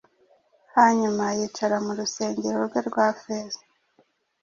hanyuma yicara mu rusengero rwe rwa feza.